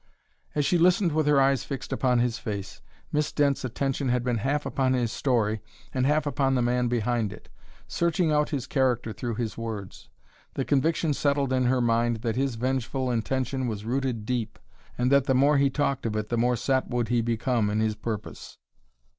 As she listened with her eyes fixed upon his face, Miss Dent's attention had been half upon his story and half upon the man behind it, searching out his character through his words. The conviction settled in her mind that his vengeful intention was rooted deep, and that the more he talked of it the more set would he become in his purpose.